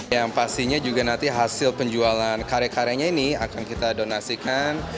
yang pastinya juga nanti hasil penjualan karya karyanya ini akan kita donasikan